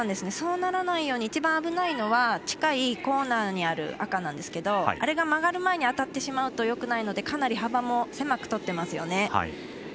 そうならないように一番、危ないのは近いコーナーにある赤なんですがあれが曲がる前に当たるとよくないので、かなり幅も狭くとっていますよね。